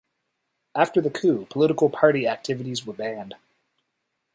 After the coup, political party activities were banned.